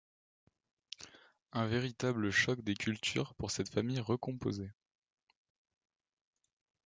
Un véritable choc des cultures pour cette famille recomposée.